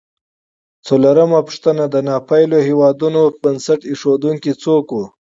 څلورمه پوښتنه: د ناپېیلو هېوادونو بنسټ ایښودونکي څوک و؟